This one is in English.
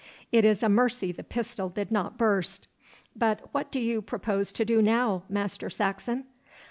It is a mercy the pistol did not burst. But what do you propose to do now, Master Saxon?